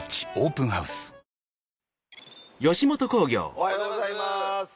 おはようございます。